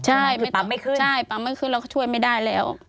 ใช่ไม่ปั๊มไม่ขึ้นใช่ปั๊มไม่ขึ้นเราก็ช่วยไม่ได้แล้ว